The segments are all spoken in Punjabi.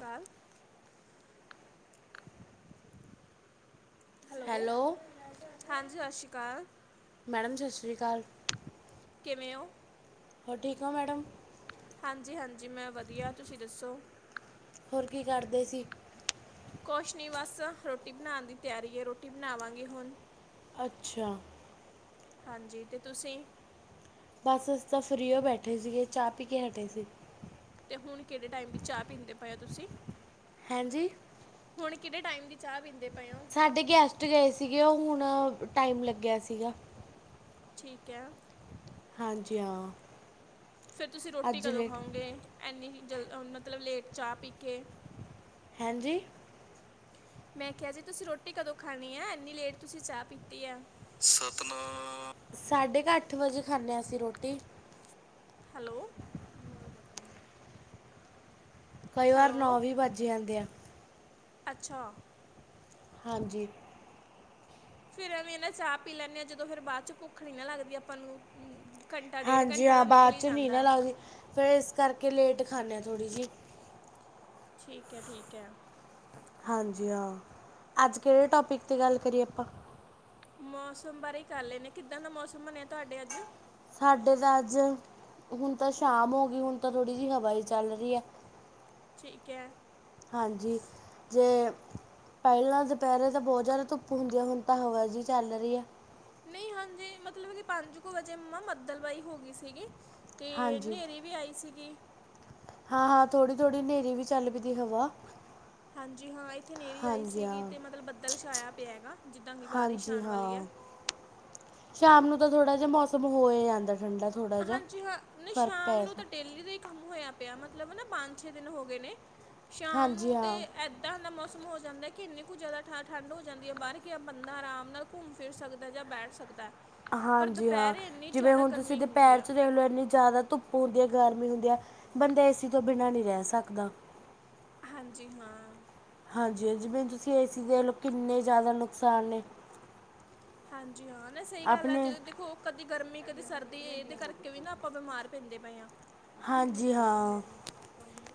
ਕੱਲ ਹੈਲੋ, ਹਾਂਜੀ 'ਸਤਿ ਸ਼੍ਰੀ ਅਕਾਲ'। ਮੈਡਮ 'ਸਤਿ ਸ਼੍ਰੀ ਅਕਾਲ'। ਕਿਵੇਂ ਹੋ? ਹੋਰ ਠੀਕ ਔ ਮੈਡਮ। ਹਾਂਜੀ, ਹਾਂਜੀ ਮੈਂ ਵਧੀਆ ਤੁਸੀਂ ਦੱਸੋ? ਹੋਰ ਕੀ ਕਰਦੇ ਸੀ? ਕੁਛ ਨਹੀਂ ਬਸ, ਰੋਟੀ ਬਣਾਉਣ ਦੀ ਤਿਆਰੀ ਏ ਰੋਟੀ ਬਣਾਵਾਂਗੇ ਹੁਣ। ਅੱਛਾ। ਹਾਂਜੀ ਤੇ ਤੁਸੀਂ? ਬਸ ਅਸੀ ਤਾਂ ਫਰੀ ਹੀ ਬੈਠੇ ਸੀਗੇ ਚਾਹ ਪੀ ਕੇ ਹਟੇ ਸੀ। ਤੇ ਹੁਣ ਕਿਹੜੇ ਟਾਈਮ ਦੀ ਚਾਹ ਪੀਂਦੇ ਪਏ ਹੋ ਤੁਸੀਂ। ਹੈਂਜੀ? ਹੁਣ, ਕਿਹੜੇ ਟਾਈਮ ਦੀ ਚਾਹ ਪੀਂਦੇ ਪਏ ਔ? ਸਾਡੇ ਗੈਸਟ ਗਏ ਸੀਗੇ ਉਹ ਹੁਣ ਟਾਈਮ ਲੱਗਿਆ ਸੀਗਾ। ਠੀਕ ਹੈ। ਹਾਂਜੀ ਹਾਂ। ਫਿਰ ਤੁਸੀਂ ਰੋਟੀ ਅੱਜ ਕਦੋਂ ਲੇਟ ਖਾਓਗੇ, ਏਨੀ ਜਲ ਮਤਲਬ ਲੇਟ ਚਾਹ ਪੀ ਕੇ। ਹੈਂਜੀ। ਮੈਂ ਕਿਹਾ ਜੀ, ਤੁਸੀਂ ਰੋਟੀ ਕਦੋਂ ਖਾਣੀ ਐ ਇੰਨੀ ਲੇਟ ਤੁਸੀਂ ਚਾਹ ਪੀਤੀ ਐ। ਸਤਨਾਮ ਸਾਢੇ ਕੁ ਅੱਠ ਵਜੇ ਖਾਂਨੇ ਹਾਂ ਅਸੀਂ ਰੋਟੀ। ਹੈਲੋ। ਕਈ ਵਾਰ ਹੈਲੋ ਨੌਂ ਵੀ ਵੱਜ ਜਾਂਦੇ ਆ। ਅੱਛਾ। ਹਾਂਜੀ। ਫਿਰ ਐਵੇਂ ਨਾ ਚਾਹ ਪੀ ਲੈਂਨੇ ਆ। ਜਦੋਂ ਫੇਰ ਬਾਅਦ ਚ ਭੁੱਖ ਨੀ ਨਾ ਲੱਗਦੀ ਆਪਾਂ ਨੂੰ। ਘੰਟਾ ਡੇਢ ਹਾਂਜੀ ਘੰਟਾ ਹਾਂ, ਤਾਂ ਨਿਕਲ ਬਾਅਦ ਹੀ 'ਚ ਨਹੀਂ ਨਾ ਜਾਂਦਾ ਲੱਗਦੀ ਫਿਰ ਇਸ ਕਰਕੇ ਲੇਟ ਖਾਂਨੇ ਹਾਂ ਥੋੜ੍ਹੀ ਜਿਹੀ। ਠੀਕ ਹੈ, ਠੀਕ ਹੈ। ਹਾਂਜੀ ਹਾਂ, ਅੱਜ ਕਿਹੜੇ ਟੋਪਿਕ 'ਤੇ ਗੱਲ ਕਰੀਏ ਆਪਾਂ? ਮੌਸਮ ਬਾਰੇ ਹੀ ਕਰ ਲੈਂਨੇ ਆ, ਕਿੱਦਾਂ ਦਾ ਮੌਸਮ ਬਣਿਆ ਤੁਹਾਡੇ ਅੱਜ। ਸਾਡੇ ਤਾਂ ਅੱਜ। ਹੁਣ ਤਾਂ ਸ਼ਾਮ ਹੋ ਗਈ ਹੁਣ ਤਾਂ ਥੋੜੀ ਜਿਹੀ ਹਵਾ ਈ ਚੱਲ ਰਹੀ ਹੈ। ਠੀਕ ਹੈ। ਹਾਂਜੀ ਜੇ ਪਹਿਲਾਂ ਦੁਪਹਿਰੇ ਤਾਂ ਬਹੁਤ ਜ਼ਿਆਦਾ ਧੁੱਪ ਹੁੰਦੀ ਹੈ। ਹੁਣ ਤਾਂ ਹਵਾ ਜਿਹਾ ਚੱਲ ਰਹੀ ਹੈ। ਨਹੀਂ ਹਾਂਜੀ ਮਤਲਬ ਕਿ ਪੰਜ ਕੁ ਵਜੇ ਮੰਮਾ ਬੱਦਲ ਵਾਹੀ ਹੋ ਗਈ ਸੀਗੀ। ਅਤੇ ਹਾਂਜੀ ਹਨੇਰੀ ਵੀ ਆਈ ਸੀਗੀ ਹਾਂ ਹਾਂ ਥੋੜ੍ਹੀ ਥੋੜ੍ਹੀ ਹਨੇਰੀ ਵੀ ਚੱਲ ਪਈਦੀ ਹਵਾ ਹਾਂਜੀ ਹਾਂ ਇੱਥੇ ਹਨੇਅਰੀ ਆਈ ਹਾਂਜੀ ਸੀਗੀ ਹਾਂ ਅਤੇ ਮਤਲਬ ਬੱਦਲ ਛਾਇਆ ਪਿਆ ਹੈਗਾ ਜਿੱਦਾਂ ਕਿ ਬਾਰਿਸ਼ ਹਾਂਜੀ ਆਉਣ ਵਾਲੀ ਹੈ ਹਾਂ ਸ਼ਾਮ ਨੂੰ ਤਾਂ ਥੋੜਾ ਜਿਹਾ ਮੌਸਮ ਹੋ ਜਾਂਦਾ ਠੰਡਾ ਥੋੜ੍ਹਾ ਜਿਹਾ ਹਾਂਜੀ ਹਾਂ ਨਹੀਂ ਫਰਕ ਸ਼ਾਮ ਪੈ ਨੂੰ ਜਾਂਦਾ ਤਾਂ ਡੇਲੀ ਦੇ ਗੁੰਮ ਹੋਇਆ ਪਿਆ। ਮਤਲਬ ਨਾ ਪੰਜ ਛੇ ਦਿਨ ਹੋ ਗਏ ਨੇ। ਸ਼ਾਮ ਹਾਂਜੀ ਨੂੰ ਤੇ ਹਾਂ ਇ ਇੱਦਾ ਦਾ ਮੌਸਮ ਹੋ ਜਾਂਦਾ ਕਿ ਇੰਨੀ ਕੁ ਜ਼ਿਆਦਾ ਠ ਠੰਢ ਹੋ ਜਾਂਦੀ ਹੈ ਬਾਹਰ ਗਿਆ ਬੰਦਾ ਆਰਾਮ ਨਾਲ। ਘੁੰਮ ਫਿਰ ਸਕਦਾ ਜਾਂ ਬੈਠ ਸਕਦਾ ਹੈ ਪਰ ਹਾਂਜੀ ਦੁਪਹਿਰੇ ਇੰਨੀ ਜ਼ਿਆਦਾ ਗਰਮੀ ਹੁੰਦੀ। ਆ ਲ ਇੰਨੀ ਜ਼ਿਆਦਾ ਧੁੱਪ ਹੁੰਦੀ ਹੈ ਗਰਮੀ ਹੁੰਦੀ ਹੈ ਬੰਦਾ ਏ ਸੀ ਤੋਂ ਬਿਨਾਂ ਨਹੀਂ ਰਹਿ ਸਕਦਾ। ਹਾਂਜੀ ਹਾਂ। ਹਾਂਜੀ, ਹਾਂਜੀ ਜਿਵੇਂ ਤੁਸੀਂ ਏ ਸੀ ਦੇਖ ਲਓ ਕਿੰਨੇ ਜ਼ਿਆਦਾ ਨੁਕਸਾਨ ਨੇ। ਹਾਂਜੀ ਹਾਂ, ਨਹੀ ਸਹੀ ਗੱਲ ਆ ਆਪਣੇ ਜਦੋਂ ਦੇਖੋ। ਕਦੇ ਗਰਮੀ ਕਦੇ ਸਰਦੀ ਇਹਦੇ ਕਰਕੇ ਵੀ ਨਾ ਆਪਾਂ ਬਿਮਾਰ ਪੈਂਦੇ ਪਏ ਹਾਂ। ਹਾਂਜੀ ਹਾਂ।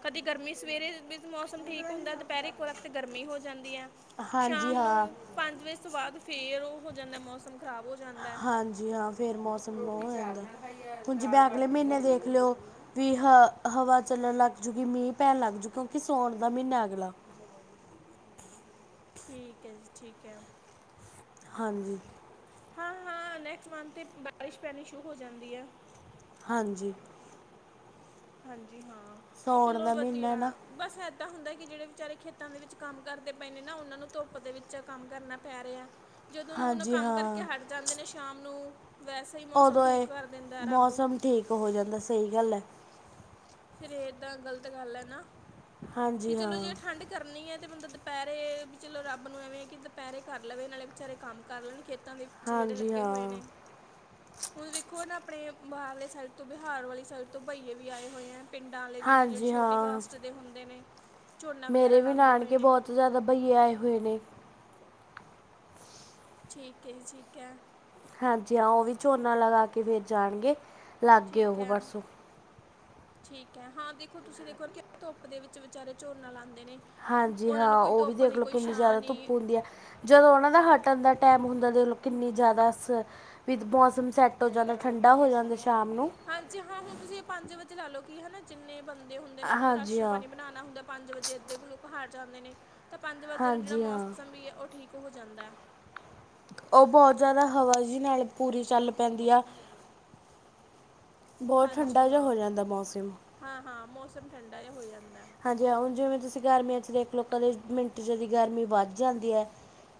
ਕਦੀ ਗਰਮੀ ਸਵੇਰੇ ਮੌਸਮ ਠੀਕ ਹੁੰਦਾ ਦੁਪਹਿਰੇ ਕੋਲ ਤੇ ਗਰਮੀ ਹੋ ਜਾਂਦੀ ਹੈ ਹਾਂਜੀ ਸ਼ਾਮ ਨੂੰ। ਹਾਂ ਪੰਜ ਵਜੇ ਤੋਂ ਬਾਅਦ ਫਿਰ ਉਹ ਹੋ ਜਾਂਦਾ ਮੌਸਮ ਖਰਾਬ ਹੋ ਜਾਂਦਾ ਹਾਂਜੀ ਹਾਂ ਫੇਰ ਮੌਸਮ ਹੋ ਜਾਂਦਾ ਹ ਜਿ ਮੈਂ ਅਗਲੇ ਮਹੀਨੇ ਦੇਖ ਲਿਓ ਵੀ ਹ ਹਵਾ ਚੱਲਣ ਲੱਗ ਜੂਗੀ ਮੀਂਹ ਪੈਣ ਲੱਗ ਜੂਗੀ ਕਿਉਂਕਿ ਸਉਣ ਦਾ ਮਹੀਨਾ ਅਗਲਾ ਠੀਕ ਹੈ ਜੀ ਠੀਕ ਹੈ ਹਾਂਜੀ ਹਾਂ ਹਾਂ ਨੈਕਸਟ ਮੰਥ ਤੇ ਬਾਰਿਸ਼ ਪੈਣੀ ਸ਼ੁਰੂ ਹੋ ਜਾਂਦੀ ਹੈ ਹਾਂਜੀ ਹਾਂਜੀ ਹਾਂ ਸਾਉਣ ਚਲੋ ਦਾ ਮਹੀਨਾ ਵਧੀਆ ਨਾ ਬਸ ਇਦਾਂ ਹੁੰਦਾ ਕਿ ਜਿਹੜੇ ਵਿਚਾਰੇ ਖੇਤਾਂ ਦੇ ਵਿੱਚ ਕੰਮ ਕਰਦੇ ਪਏ ਨੇ ਨਾ ਉਹਨਾਂ ਨੂੰ ਧੁੱਪ ਦੇ ਵਿੱਚ ਕੰਮ ਕਰਨਾ ਪੈ ਰਿਹਾ ਜਦੋਂ ਨੂੰ ਉਹਨਾਂ ਹਾਂਜੀ ਕੰਮ ਕਰਕੇ ਹਾਂ ਹਟ ਜਾਂਦੇ ਨੇ ਸ਼ਾਮ ਨੂੰ ਵੈਸੇ ਸਹੀ ਮੌਸਮ ਉਦੋਂ ਠੀਕ ਇਹ ਕਰ ਦਿੰਦਾ ਰੱਬ ਮੌਸਮ ਠੀਕ ਹੋ ਜਾਂਦਾ ਸਹੀ ਗੱਲ ਹੈ ਫਿਰ ਇਹ ਤਾਂ ਗ਼ਲਤ ਗੱਲ ਹੈ ਨਾ ਕਿ ਹਾਂਜੀ ਚਲੋ ਹਾਂ ਜੇ ਠੰਡ ਕਰਨੀ ਹੈ ਤੇ ਬੰਦਾ ਦੁਪਹਿਰੇ ਵੀ ਚਲੋ ਰੱਬ ਨੂੰ ਐਵੇਂ ਹੈ ਕਿ ਦੁਪਹਿਰੇ ਕਰ ਲਵੇ ਨਾਲੇ ਵਿਚਾਰੇ ਕੰਮ ਕਰ ਲੈਣ ਖੇਤਾਂ ਦੇ ਵੀ ਵਿੱਚ ਜਿਹੜੇ ਹਾਂਜੀ ਲੱਗੇ ਹਾਂ ਹੋਏ ਨੇ ਹੁਣ ਵੇਖੋ ਹੁਣ ਆਪਣੇ ਬਾਹਰਲੇ ਸਾਈਡ ਤੋਂ ਬਿਹਾਰ ਵਾਲੀ ਸਾਈਡ ਤੋਂ ਬਈਏ ਵੀ ਆਏ ਹੋਏ ਹੈ ਪਿੰਡਾਂ ਵਾਲੇ ਵੀ ਨੇ ਜਿਹੜੇ ਹਾਂਜੀ ਛੋਟੀ ਹਾਂ ਕਾਸਟ ਦੇ ਹੁੰਦੇ ਨੇ ਝੋਨਾ ਵਗੈਰਾ ਮੇਰੇ ਵੀ ਲਾਉਂਦੇ ਪਏ ਨਾਨਕੇ ਨੇ ਬਹੁਤ ਜ਼ਿਆਦਾ ਭੈਈਏ ਆਏ ਹੋਏ ਨੇ ਠੀਕ ਹੈ ਜੀ ਠੀਕ ਹੈ ਹਾਂਜੀ ਹਾਂ ਉਹ ਵੀ ਝੋਨਾ ਲਗਾ ਕੇ ਫਿਰ ਜਾਣਗੇ ਲੱਗ ਗਏ ਠੀਕ ਉਹ ਹੈ ਪਰਸੋਂ ਠੀਕ ਹੈ ਹਾਂ ਦੇਖੋ ਤੁਸੀਂ ਦੇਖੋ ਧੁੱਪ ਦੇ ਵਿੱਚ ਵਿਚਾਰੇ ਝੋਨਾ ਲਾਉਂਦੇ ਨੇ ਹਾਂਜੀ ਉਹਨਾਂ ਨੂੰ ਹਾਂ ਕੋਈ ਉਹ ਵੀ ਧੁੱਪ ਦੇਖ ਨਹੀਂ ਲਓ ਕੋਈ ਕਿੰਨੀ ਛਾਂ ਜ਼ਿਆਦਾ ਧੁੱਪ ਨਹੀਂ ਹੁੰਦੀ ਹੈ ਜਦੋਂ ਉਹਨਾਂ ਦਾ ਹਟਣ ਦਾ ਟਾਈਮ ਹੁੰਦਾ ਤਾਂ ਦੇਖ ਲੋ ਕਿੰਨੀ ਜ਼ਿਆਦਾ ਸ ਵੀ ਮੌਸਮ ਸੈੱਟ ਹੋ ਜਾਂਦਾ ਠੰਡਾ ਹੋ ਜਾਂਦਾ ਸ਼ਾਮ ਨੂੰ ਹਾਂਜੀ ਹਾਂ ਹੁਣ ਤੁਸੀਂ ਪੰਜ ਵਜੇ ਲਾ ਲਓ ਕਿ ਹਨਾ ਜਿੰਨੇ ਬੰਦੇ ਹੁੰਦੇ ਨੇ ਉਹਨਾਂ ਦਾ ਹਾਂਜੀ ਰਾਸ਼ਨ ਹਾਂ ਪਾਣੀ ਬਣਾਉਣਾ ਹੁੰਦਾ ਪੰਜ ਵਜੇ ਇੱਧਰ ਕੁਲ ਹਾਰ ਜਾਂਦੇ ਨੇ ਤਾਂ ਪੰਜ ਵਜੇ ਨੂੰ ਜਿਹੜਾ ਹਾਂਜੀ ਹਾਂ ਮੌਸਮ ਵੀ ਹੈ ਉਹ ਠੀਕ ਹੋ ਜਾਂਦਾ ਉਹ ਬਹੁਤ ਜ਼ਿਆਦਾ ਹਵਾ ਜੀ ਨਾਲ ਪੂਰੀ ਚੱਲ ਪੈਂਦੀ ਆ ਬਹੁਤ ਹਾਂਜੀ ਠੰਡਾ ਜਿਹਾ ਹੋ ਹਾਂ ਜਾਂਦਾ ਮੌਸਮ ਹਾਂ ਹਾਂ ਮੌਸਮ ਠੰਡਾ ਜਿਹਾ ਹੋ ਜਾਂਦਾ ਜਿਉਂ-ਜਿਉਂ! ਜਿਵੇਂ ਤੁਸੀਂ ਗਰਮੀਆਂ 'ਚ ਦੇਖ ਲਓ ਕਦੇ ਮਿੰਟ ਚਦੀ ਗਰਮੀ ਵੱਧ ਜਾਂਦੀ ਐ।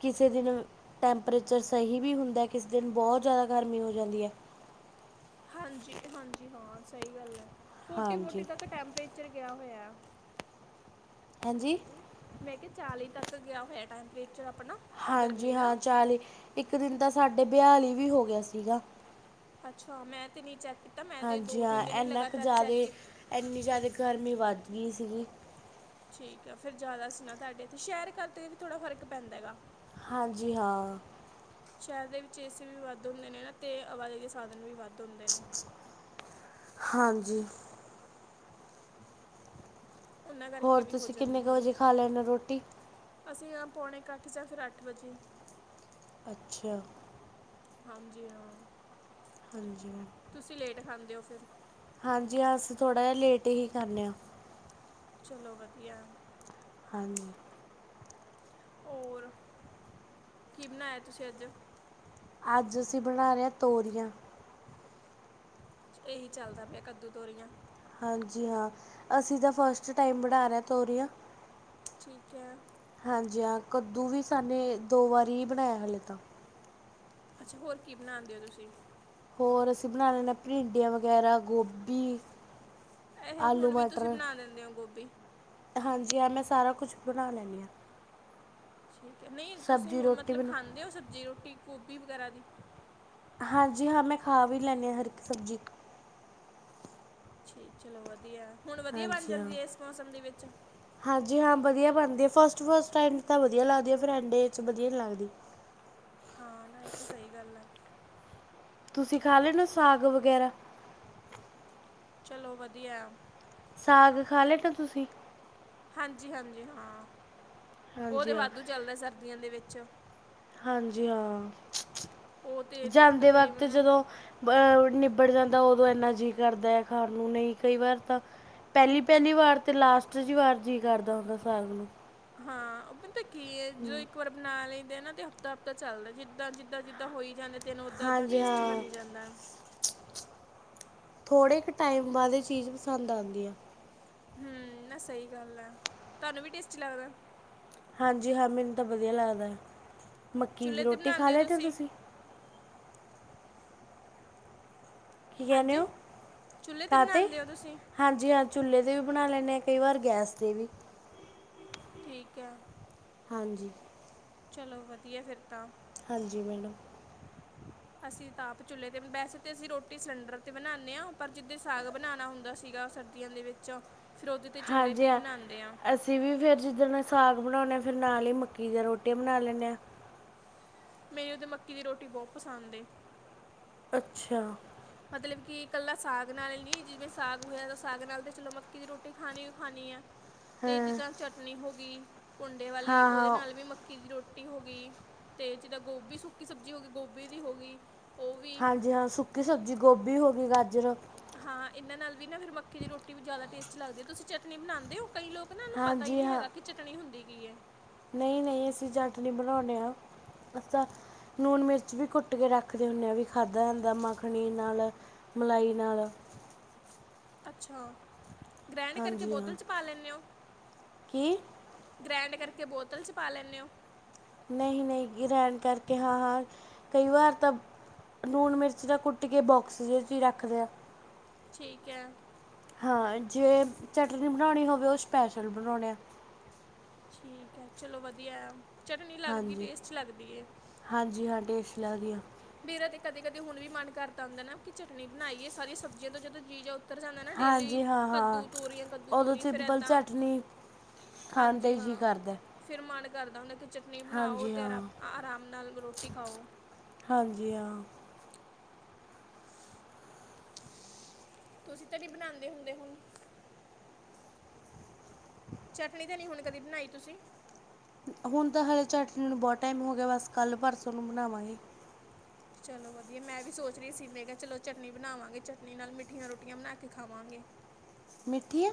ਕਿਸੇ ਦਿਨ ਟੈਂਪਰੇਚਰ ਸਹੀ ਵੀ ਹੁੰਦਾ, ਕਿਸੇ ਦਿਨ ਬਹੁਤ ਜ਼ਿਆਦਾ ਗਰਮੀ ਹੋ ਜਾਂਦੀ ਐ। ਹਾਂਜੀ-ਹਾਂਜੀ ਹਾਂ, ਸਹੀ ਗੱਲ ਏ ਫੋਟੀ- ਫੋਟੀ ਹਾਂਜੀ ਤੱਕ ਟੈਂਪਰੇ ਚਿਰ ਗਿਆ ਹੋਇਆ, ਹਾਂਜੀ। ਮੈਂ ਕਿਹਾ, ਚਾਲੀ ਤੱਕ ਗਿਆ ਹੋਇਆ ਟੈਂਪਰੇਚਰ ਆਪਣਾ। ਹਾਂਜੀ, ਗਰਮੀ ਦਾ ਹਾਂ ਚਾਲੀ, ਇੱਕ ਦਿਨ ਤਾਂ ਸਾਡੇ ਬਿਆਲੀ ਵੀ ਹੋ ਗਿਆ ਸੀਗਾ। ਅੱਛਾ! ਮੈਂ ਤੇ ਨੀਂ ਚੈੱਕ ਕੀਤਾ, ਮੈਂ ਤੇ ਹਾਂਜੀ ਦੋ ਹਾਂ ਤਿੰਨ ਦਿਨ ਹੀ ਇੰਨਾ ਕੁ ਲਗਾਤਾਰ ਚੈੱਕ ਜ਼ਿਆਦਾ ਕੀਤਾ। ਇੰਨੀ ਜ਼ਿਆਦਾ ਗਰਮੀ ਵੱਧ ਗਈ ਸੀਗੀ। ਠੀਕ ਆ ਫਿਰ ਜ਼ਿਆਦਾ ਹਸਨਾ ਤੁਹਾਡੇ ਇੱਥੇ ਸ਼ਹਿਰ ਖਾਤੇ ਵੀ ਥੋੜ੍ਹਾ ਫ਼ਰਕ ਪੈਂਦਾ ਗਾ। ਹਾਂਜੀ ਹਾਂ। ਸ਼ਹਿਰ ਦੇ ਵਿੱਚ ਏ ਸੀੇ ਵੀ ਵੱਧ ਹੁੰਦੇ ਨੇ ਨਾ ਤੇ ਆਵਾਜਾਈ ਦੇ ਸਾਧਨ ਵੀ ਵੱਧ। ਹੁੰਦੇ ਨੇ ਹਾਂਜੀ। ਉਹਨਾਂ ਕਰਕੇ ਹੋਰ ਵੀ ਹੋ ਤੁਸੀਂ ਜਾਂਦੇ ਕਿੰਨੇ ਕੁ ਥੋੜ੍ਹੇ। ਵਜੇ ਖਾ ਲੈਂਦੇ ਹੋ ਰੋਟੀ ਅਸੀਂ ਪਾਉਣੇ ਇਕੱਠ ਜਾਂ ਫਿਰ ਅੱਠ ਵਜੇ ਅੱਛਾ ਹਾਂਜੀ ਹਾਂ ਹਾਂਜੀ ਤੁਸੀਂ ਲੇਟ ਖਾਂਦੇ ਹੋ ਫਿਰ। ਹਾਂਜੀ ਹਾਂ ਅਸੀ ਥੋੜ੍ਹਾ ਜਿਹਾ ਲੇਟ ਹੀ ਖਾਨੇ ਆ। ਚਲੋ ਵਧੀਆ। ਹਾਂਜੀ। ਹੋਰ, ਕੀ ਬਣਾਇਆ ਤੁਸੀਂ ਅੱਜ? ਅੱਜ ਅਸੀਂ ਬਣਾ ਰਹੇ ਹਾਂ ਤੋਰੀਆਂ। ਇਹੀ ਚੱਲਦਾ ਪਿਆ ਕੱਦੂ, ਤੋਰੀਆਂ। ਹਾਂਜੀ ਹਾਂ, ਅਸੀਂ ਤਾਂ ਫਸਟ ਟਾਈਮ ਬਣਾ ਰਹੇ ਆਂ ਤੋਰੀਆਂ। ਠੀਕ ਐ। ਹਾਂਜੀ ਹਾਂ, ਕੱਦੂ ਵੀ ਸਾਨੇ ਦੋ ਵਾਰੀ ਹੀ ਬਣਾਇਆ ਹਲੇ ਤਾਂ। ਅੱਛਾ ਹੋਰ ਕੀ ਬਣਾਉਂਦੇ ਓ ਤੁਸੀਂ? ਹੋਰ ਅਸੀਂ ਬਣਾ ਲੈਂਦੇ ਹਾਂ ਭਰੀਡੀਆਂ ਵਗੈਰਾ, ਗੋਭੀ। ਇਹ ਆਲੂ ਹੁਣ ਵੀ ਤੁਸੀਂ ਮਟਰ, ਬਣਾ ਦਿੰਦੇ ਹੋ ਗੋਭੀ ਹਾਂਜੀ ਆ ਮੈਂ ਸਾਰਾ ਕੁਛ ਬਣਾ ਲੈਂਦੀ ਆਂ। ਠੀਕ ਹੈ ਨਹੀਂ ਤੁਸੀਂ ਸਬਜ਼ੀ ਹੁਣ ਰੋਟੀ ਮਤਲਬ ਮੈਨੂੰ ਖਾਂਦੇ ਹੋ ਸਬਜ਼ੀ ਰੋਟੀ ਗੋਭੀ ਵਗੈਰਾ ਦੀ? ਹਾਂਜੀ ਹਾਂ ਮੈਂ ਖਾ ਵੀ ਲੈਂਣੀ ਆਂ ਹਰ ਇੱਕ ਸਬਜ਼ੀ। ਜੀ, ਚਲੋ ਵਧੀਆ, ਹੁਣ ਵਧੀਆ ਬਣ ਹਾਂਜੀ ਹਾਂ ਜਾਂਦੀ ਏ ਇਸ ਮੌਸਮ ਦੇ ਵਿੱਚ? ਹਾਂਜੀ ਹਾਂ ਵਧੀਆ ਬਣਦੀ ਫਸਟ- ਫਸਟ ਟਾਇਮ ਤਾਂ ਵਧੀਆ ਲੱਗਦੀ ਆ ਫਿਰ ਐਂਡ ਜੇ'ਚ ਵਧੀਆ ਨੀ ਲੱਗਦੀ। ਹਾਂ, ਨਾ ਇਹ ਤਾਂ ਸਹੀ ਗੱਲ ਆ। ਤੁਸੀਂ ਖਾ ਲੈਨੇ ਓ ਸਾਗ ਵਗੈਰਾ? ਚਲੋ ਵਧੀਆ। ਸਾਗ ਖਾ ਲੈਨੇ ਤੁਸੀ? ਹਾਂਜੀ -ਹਾਂਜੀ ਹਾਂ, ਉਹ ਹਾਂਜੀ ਤਾਂ ਹਾਂ ਵਾਧੂ ਚੱਲਦਾ ਸਰਦੀਆਂ ਦੇ ਵਿੱਚ। ਹਾਂਜੀ ਹਾਂ, ਉਹ ਤੇ ਤ- ਜਾਂਦੇ ਵਕਤ ਤਕਰੀਬਨ ਜਦੋਂ ਅਹ ਨਿਬੜ ਜਾਂਦਾ ਉਦੋਂ ਇੰਨਾ ਜੀਅ ਕਰਦਾ ਏ ਖਾਣ ਨੂੰ ਨਹੀਂ ਕਈ ਵਾਰ ਤਾਂ। ਪਹਿਲੀ- ਪਹਿਲੀ ਵਾਰ ਤੇ ਲਾਸਟ ਜੀ ਵਾਰ ਜੀਅ ਕਰਦਾ ਹੁੰਦਾ ਸਾਗ ਨੂੰ। ਹਾਂ, ਉਹ ਪਤਾ ਤਾਂ ਕੀ ਏ ਜੋ ਇੱਕ ਵਾਰ ਬਣਾ ਲਈ ਦਾ ਨਾ ਤੇ ਹਫ਼ਤਾ -ਹਫ਼ਤਾ ਚੱਲਦਾ ਜਿੱਦਾਂ, ਜਿੱਦਾਂ, ਜਿੱਦਾਂ ਹੋਈ ਜਾਂਦਾ। ਤੈਨ ਉੱਦਾਂ-ਉੱਦਾਂ ਹਾਂਜੀ ਟੇਸਟੀ ਹਾਂ ਬਨੀ ਜਾਂਦਾ। ਥੋੜ੍ਹੇ ਕੇ ਟਾਈਮ ਬਾਅਦ ਇਹ ਚੀਜ਼ ਪਸੰਦ ਆਉਦੀ ਆ। ਹੂੰ ਨਾ ਸਹੀ ਗੱਲ ਹੈ ਤੁਹਾਨੂੰ ਵੀ ਟੇਸਟੀ ਲੱਗਦਾ। ਹਾਂਜੀ ਹਾਂ ਮੈਨੂੰ ਤਾਂ ਵਧੀਆ ਲੱਗਦਾ, ਮੱਕੀ ਦੀ ਚੁੱਲ੍ਹੇ 'ਤੇ ਰੋਟੀ ਖਾ ਬਣਾਉਂਦੇ ਲੈਦੇ ਹੋ ਤੁਸੀਂ? ਕੀ ਕਹਿੰਦੇ ਹਾਂਜੀ, ਹੋ ਚੁੱਲ੍ਹੇ 'ਤੇ ਕਾਹਤੇ ਬਣਾਉਂਦੇ ਓ ਤੁਸੀ? ਹਾਂਜੀ ਹਾਂ ਚੁੱਲੇ ਤੇ ਵੀ ਬਣਾ ਲੈਂਦੇ ਹਾਂ ਕਈ ਵਾਰ ਗੈਸ ਤੇ ਵੀ। ਠੀਕ ਐ। ਹਾਂਜੀ। ਚਲੋ ਵਧੀਆ ਫਿਰ ਤਾਂ। ਹਾਂਜੀ ਮੈਡਮ। ਅਸੀਂ ਤਾਂ ਆਪ ਚੁੱਲ੍ਹੇ 'ਤੇ ਵੈਸੇ ਤਾਂ ਅਸੀਂ ਰੋਟੀ ਸਿਲੰਡਰ 'ਤੇ ਬਣਾਨੇ ਆ ਪਰ ਜਿੱਦਾਂ ਸਾਗ ਬਣਾਣਾ ਹੁੰਦਾ ਸੀਗਾ ਸ ਤੀਆ ਦੇ ਵਿੱਚੋ- ਹਾਂਜੀ ਹਾਂ, ਅਸੀਂ- ਅਸੀਂ ਵੀ ਫਿਰ ਜਿੱਦਣ ਨਾਲ ਸਾਗ ਬਣਾਨੇ ਆ ਫਿਰ ਨਾਲ ਹੀ ਮੱਕੀ ਦੀਆਂ ਰੋਟੀਆਂ ਬਣਾ ਲੈਂਨੇ ਆ। ਮੇਰੀ ਤੇ ਮੱਕੀ ਦੀ ਰੋਟੀ ਬਹੁਤ ਪਸੰਦ ਏ। ਅੱਛਾ। ਮਤਲਬ ਕਿ ਇਕੱਲਾ ਸਾਗ ਨਾਲ ਨੀ ਜਿਵੇਂ ਸਾਗ ਹੋਇਆ ਸਾਗ ਨਾਲ ਤੇ ਚਲੋ ਮੱਕੀ ਦੀ ਰੋਟੀ ਖਾਣੀਓ ਖਾਣੀ ਆ। ਤੇ ਹਾਂ ਜਿੱਦਾਂ ਚਟਨੀ ਹੋ ਗਈ, ਕੁੰਡੇ ਵਾਲੀ ਹਾਂ ਉਹਦੇ ਹਾਂ ਨਾਲ ਵੀ ਮ ਮੱਕੀ ਦੀ ਰੋਟੀ ਹੋ ਗਈ ਤੇ ਜਿੱਦਾਂ ਗੋਭੀ ਸੁੱਕੀ ਸਬਜ਼ੀ ਹੋ ਗਈ, ਗੋਭੀ ਦੀ ਹੋ ਗਈ। ਉਹ ਵੀ ਹਾਂਜੀ, ਹਾਂ ਸੁੱਕੀ ਸਬਜ਼ੀ ਗੋਭੀ ਹੋ ਗਈ, ਗਾਜਰ। ਹਾਂ ਇਹਨਾਂ ਨਾਲ ਵੀ ਨਾ ਫਿਰ ਮੱਕੀ ਦੀ ਰੋਟੀ ਵੀ ਜ਼ਿਆਦਾ ਟੇਸਟੀ ਲੱਗਦੀ ਹੈ ਤੁਸੀਂ ਚਟਨੀ ਬਣਾਉਂਦੇ ਹੋ ਕਈ ਲੋਕ ਨਾ ਇਹਨੂੰ ਪਤਾ ਹੀ ਹਾਂਜੀ ਨਹੀਂ ਹਾਂ ਹੈਗਾ ਕਿ ਚਟਨੀ ਹੁੰਦੀ ਕੀ ਏ। ਨਹੀਂ- ਨਹੀਂ ਅਸੀਂ ਚਟਨੀ ਬਣਾਉਣੇ ਆ ਅਸੀਂ ਤਾਂ ਨੂਨ ਮਿਰਚ ਵੀ ਘੁੱਟ ਕੇ ਰੱਖਦੇ ਹੁੰਨੇ ਆ ਵੀ ਖਾਧਾ ਜਾਂਦਾ ਮਖਣੀ ਨਾਲ। ਮਲਾਈ ਨਾਲ। ਅੱਛਾ, ਗ੍ਰੈਂਡ ਕਰਕੇ ਹਾਂਜੀ ਹਾਂ ਬੋਤਲ 'ਚ ਪਾ ਲੈਂਨੇ ਹੋ? ਕੀ ਗ੍ਰੈਂਡ ਕਰਕੇ ਬੋਤਲ 'ਚ ਪਾ ਲੈਂਨੇ ਹੋ? ਨਹੀਂ ਨਹੀਂ ਗਰੈਂਡ ਕਰਕੇ ਹਾਂ ਹਾਂ ਕਈ ਵਾਰ ਤਾਂ- ਲੂਣ ਮਿਰਚ ਤਾਂ ਕੁੱਟ ਕੇ ਬੋਕਸ ਜੇ ਚ ਹੀ ਰੱਖਦੇ ਆ। ਠੀਕ ਐ। ਹਾਂ ਜੇ ਚਟਨੀ ਬਣਾਉਣੀ ਹੋਵੇ ਉਹ ਸਪੈਸ਼ਲ ਬਣਾਉਣੇ ਆ। ਠੀਕ ਐ, ਚਲੋ ਵਧੀਆ ਐ, ਚਟਨੀ ਲੱਗਦੀ ਹਾਂਜੀ ਟੇਸਟ ਲੱਗਦੀ ਏ। ਹਾਂਜੀ ਹਾਂ ਟੇਸਟ ਲੱਗਦੀ ਆਂ। ਮੇਰਾ ਤੇ ਕਦੇ ਕਦੇ ਹੁਣ ਵੀ ਮਨ ਕਰਦਾ ਹੁੰਦਾ ਨਾ ਕਿ ਚਟਨੀ ਬਣਾਈਏ ਸਾਰੀਆ ਸਬਜ਼ੀਆਂ ਤੋਂ ਜਦੋਂ ਜੀ ਜਾ- ਉੱਤਰ ਜਾਂਦਾ ਨਾ ਡੇਲੀ ਹਾਂਜੀ ਹਾਂ ਹਾਂ ਕੱਦੂ ਤੋਰੀਆਂ ਕੱਦੂ ਉਦੋਂ ਤੋਰੀਆਂ ਫ਼ਿਰ ਸਿੰਪਲ ਏਦਾਂ- ਚਟਨੀ ਖਾਣ ਤੇ ਜੀ ਕਰਦਾ। ਫਿਰ ਮਨ ਕਰਦਾ ਹੁੰਦਾ ਕਿ ਚਟਨੀ ਬਣਾਓ ਹਾਂਜੀ ਅਤੇ ਹਾਂ ਆਰਾ ਆਰਾਮ ਨਾਲ ਰੋਟੀ ਖਾਓ। ਹਾਂਜੀ ਹਾਂ। ਤੁਸੀਂ ਤਾਂ ਨੀ ਬਣਾਦੇ ਹੁੰਦੇ ਹੁਣ? ਚਟਨੀ ਤਾਂ ਨੀ ਹੁਣ ਕਦੀ ਬਣਾਈ ਤੁਸੀਂ? ਹੁਣ ਤਾਂ ਹਾਲੇ ਚਟਨੀ ਨੂੰ ਬਹੁਤ ਟਾਈਮ ਹੋ ਗਿਆ ਬਸ ਕੱਲ੍ਹ ਪਰਸੋਂ ਨੂੰ ਬਣਾਵਾਂਗੇ। ਚਲੋ ਵਧੀਆ ਮੈਂ ਵੀ ਸੋਚ ਰਹੀ ਸੀ ਮੈਂ ਕਿਹਾ ਚਲੋ ਚਟਨੀ ਬਣਾਵਾਂਗੇ ਚਟਨੀ ਨਾਲ ਮਿੱਠੀਆਂ ਰੋਟੀਆਂ ਬਣਾ ਕੇ ਖਾਵਾਂਗੇ। ਮਿੱਠੀਆ!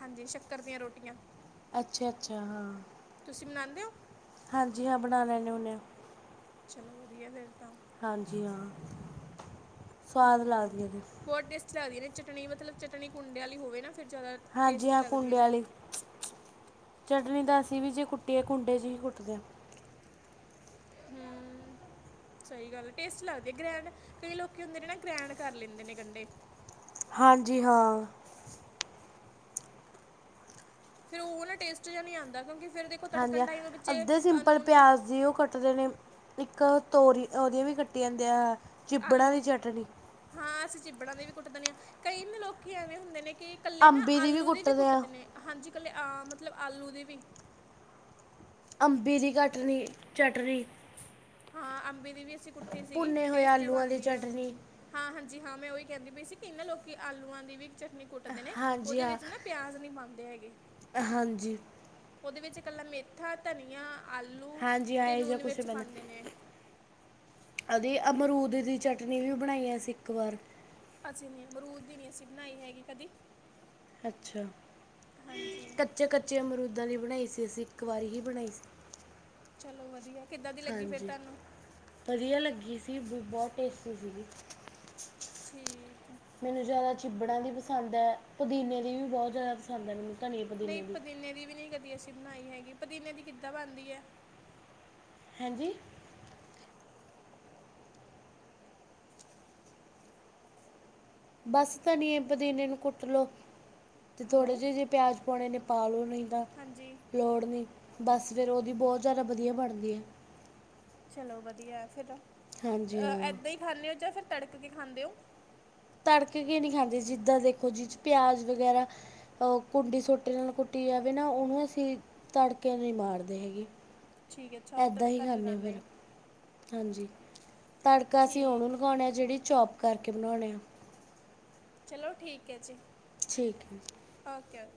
ਹਾਂਜੀ ਸ਼ੱਕਰ ਦੀਆਂ ਰੋਟੀਆਂ। ਅੱਛਾ ਅੱਛਾ ਹਾਂ। ਤੁਸੀਂ ਬਣਾਦੇ ਹੋ? ਹਾਂਜੀ ਹਾਂ, ਬਣਾ ਲੈਂਨੇ ਹੁੰਨੇ ਆ। ਚਲੋ ਵਧੀਆ ਫਿਰ ਤਾਂ। ਹਾਂਜੀ ਹਾਂ ਸਵਾਦ ਵਧੀਆ ਲੱਗਦੀ ਆ। ਬਹੁਤ ਟੇਸਟੀ ਲੱਗਦੀ ਆਂ ਚਟਨੀ ਮਤਲਬ ਚਟਨੀ ਕੁੰਡੇ ਵਾਲੀ ਹੋਵੇ ਨਾ ਫਿਰ ਜ਼ਿਆਦਾ- ਹਾਂਜੀ ਟੇਸਟ ਹਾਂ ਲੱਗਦੀਆਂ ਕੁੰਡੇ ਨੇ ਵਾਲੀ। ਚਟਨੀ ਤਾਂ ਅਸੀਂ ਵੀ ਜੇ ਕੁੱਟੀਏ ਕੁੰਡੇ ਚ ਹੀ ਕੁੱਟਦੇ ਆ। [unintelligible] ਹੂੰ [inaudible] ਸਹੀ ਗੱਲ ਹੈ ਟੇਸਟ ਲੱਗਦੀ ਆ, ਗ੍ਰੈਂਡ ਕਈ ਲੋਕ ਹੁੰਦੇ ਨੇ ਨਾ ਗ੍ਰੈਂਡ ਕਰ ਲੈਂਦੇ ਨੇ ਗੰਡੇ। ਹਾਂਜੀ ਹਾਂ। ਫਿਰ ਉਹ ਨਾ ਟੇਸਟ ਜਾ ਨੀ ਆਂਦਾ ਕਿਉਂਕਿ ਫਿਰ ਤੇ- ਹਾਂਜੀ ਅੱਧੇ ਸਿੰਪਲ ਪਿਆਜ਼ ਦੀ ਉਹ ਕੱਟ- ਕੱਟ ਦੇ ਨੇ ਇੱਕ ਤੋਰੀ ਉਹਦੀਆਂ ਵੀ ਕੱਟੀ ਜਾਂਦੀ ਆ। ਚਿੱਬੜਾਂ ਆਲੂ ਦੀ ਚਟਨੀ ਹਾਂ ਅਸੀਂ ਚਿੱਬੜਾਂ ਦੇ ਵੀ ਕੁੱਟ ਦਿੰਦੇ ਆ, ਕਈ ਲੋਕ ਐਵੇਂ ਹੁੰਦੇ ਨੇ ਕਿ- ਇਕੱਲੇ ਨਾ ਅੰਬੀ ਦੀ ਆਲੂ ਦੇ ਵੀ ਆ ਕੁੱਟਦੇ ਨੇ ਹਾਂਜੀ, ਇਕੱਲੇ ਆ ਮਤਲਬ ਆਲੂ ਦੀ ਵੀ ਅੰਬੀ ਦੀ ਕਟਨੀ ਚਟਣੀ, ਹਾਂ ਅੰਬੀ ਦੀ ਵੀ ਅਸੀਂ ਕੁੱਟੀ ਸੀਗੀ ਭੁੰਨੇ ਹੋਏ ਟੇਸਟੀ ਆਲੂਆਂ ਦੀ ਬਣਦੀ ਹੈ। ਚਟਨੀ ਹਾਂ ਹਾਂਜੀ ਹਾਂ ਮੈਂ ਉਹੀ ਕਹਿੰਦੀ ਪਈ ਸੀ ਕਿਨਾਂ ਲੋਕ ਆਲੂਆਂ ਦੀ ਵੀ ਚਟਨੀ ਕੁੱਟਦੇ ਨੇ ਹਾਂਜੀ ਉਹਦੇ ਹਾਂ ਵਿੱਚ ਨਾ ਪਿਆਜ਼ ਨਹੀਂ ਪਾਉਂਦੇ ਹੈਗੇ ਹਾਂਜੀ ਉਹਦੇ ਵਿੱਚ ਇਕੱਲਾ ਮੇਥਾ ਧਨੀਆ ਆਲੂ ਹਾਂਜੀ ਹਾਂ ਤੇ ਇਹ ਜਿਹਾ ਨੂਨ ਕੁਛ ਮਿਰਚ ਪੈਂਦਾ ਪਾਉਂਦੇ ਨੇ ਅਮਰੂਦ ਦੀ ਚਟਨੀ ਵੀ ਬਣਾਈ ਅਸੀਂ ਇੱਕ ਵਾਰ ਅਸੀਂ ਨਮਰੂਦ ਦੀ ਨੀ ਅਸੀਂ ਬਣਾਈ ਹੈਗੀ ਕਦੀ, ਅੱਛਾ ਹਾਂਜੀ ਕੱਚੇ-ਕੱਚੇ ਮਮਰੂਦਾਂ ਦੀ ਬਣਾਈ ਸੀ, ਅਸੀਂ ਇੱਕ ਵਾਰੀ ਹੀ ਬਣਾਈ ਸੀ। ਚਲੋ ਵਧੀਆ। ਕਿੱਦਾਂ ਦੀ ਲੱਗੀ ਫਿਰ ਹਾਂਜੀ ਤੁਹਾਨੂੰ ਵਧੀਆ ਲੱਗੀ ਸੀ ਵੀ ਬਹੁਤ ਟੇਸਟੀ ਸੀਗੀ। ਠੀਕ ਐ। ਮੈਨੂੰ ਜ਼ਿਆਦਾ ਚਿੱਬੜਾਂ ਦੀ ਪਸੰਦ ਹੈ, ਪੁਦੀਨੇ ਦੀ ਵੀ ਬਹੁਤ ਜ਼ਿਆਦਾ ਖਾਂ ਨਹੀਂ ਪੁਦੀਨੇ ਦੀ ਵੀ ਨਹੀਂ, ਕਦੀ ਅਸੀਂ ਬਣਾਈ ਹੈਗੀ, ਪੁਦੀਨੇ ਦੀ ਕਿੱਦਾਂ ਬਣਦੀ ਹੈ, ਹੈਂਜੀ, ਬਸ ਧਨੀਏ, ਪਦੀਨੇ ਨੂੰ ਕੁੱਟ ਲੋੋ ਤੇ ਥੋੜੇ ਹੈਲੋ ਜਿਹੇ ਜੇ ਪਿਆਜ਼ ਪਾਉਣੇ ਨੇ ਪਾਲਓ ਨਹੀਂਦਾ ਹਾਂਜੀ ਲੋੜ ਨਹੀਂ, ਬਸ ਫਿਰ ਉਹਦੀ ਬਹੁਤ ਜ਼ਿਆਦਾ ਵਧੀਆ ਬਣਦੀ ਹੈ ਚਲੋ ਵਧੀਆ ਫਿਰ ਹਾਂਜੀ ਅ ਹਾਂ ਏਦਾਂ ਹੀ ਖਾਂਦੇ ਹੋ, ਜਾਂ ਫਿਰ ਤੜਕ ਕੇ ਖਾਂਦੇ ਹੋ। ਤੜਕੇ ਕੇ ਨੀ ਖਾਂਦੇ ਜਿੱਦਾਂ ਦੇਖੋ, ਜੀ ਪਿਆਜ ਵਗੈਰਾ। ਅ ਕੁੰਡੀ ਸੋਟੇ ਨਾਲ ਕੁੱਟੀ ਜਾਵੇ, ਨਾ ਉਹਨੂੰ ਅਸੀਂ ਤੜਕੇ ਨਹੀਂ ਮਾਰਦੇ ਹੈਗੇ। ਠੀਕ ਹੈ ਅੱਛਾ ਉਹਨੂੰ ਏਦਾਂ ਹੀ ਤੜਕਾ ਨਹੀਂ ਖਾਦੇਂ ਫਿਰ ਲਗਾਉਂਦੇ ਹਾਂਜੀ ਤੜਕਾ ਅਸੀਂ ਉਹਨੂੰ ਠੀਕ ਹੈ ਲਗਾਣੇ, ਆ ਜਿਹੜੀ ਚੋਪ ਕਰਕੇ ਬਣਾਉਣੇ ਆ। ਚਲੋ ਠੀਕ ਹੈ ਜੀ, ਠੀਕ ਹੈ, ਓਕੇ ਓਕੇ,